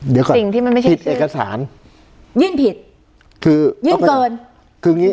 เดี๋ยวก่อนจริงที่มันไม่ใช่พิษเอกสารยื่นผิดคือยื่นเกิน